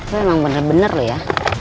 lu emang benar benar ya